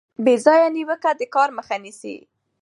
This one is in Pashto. بې ځایه نیوکې د کار مخه نیسي.